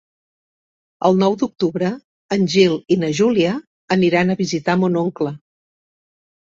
El nou d'octubre en Gil i na Júlia aniran a visitar mon oncle.